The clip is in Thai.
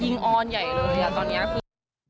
ยิ่งอ่อนไยเลยอ่ะตอนนี้